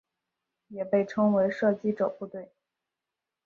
也被称为射击者部队。